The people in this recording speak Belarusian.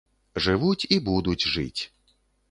Жывуць і будуць жыць.